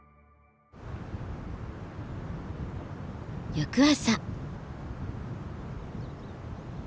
翌朝。